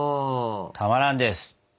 たまらんです。